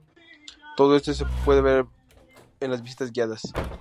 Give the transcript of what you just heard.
Todo eso se puede ver en las visitas guiadas.